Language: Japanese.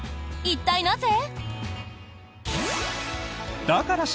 一体なぜ？